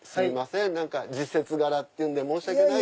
時節柄っていうんで申し訳ない。